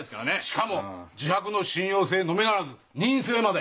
しかも自白の信用性のみならず任意性まで。